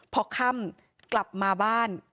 พอค่ำกลับมาบ้าน